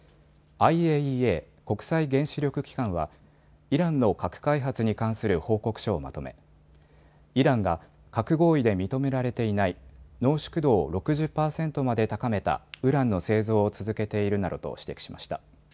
ＩＡＥＡ・国際原子力機関はイランの核開発に関する報告書をまとめイランが核合意で認められていない濃縮度を６０％まで高めたウランの製造を続けているなどと指摘しました。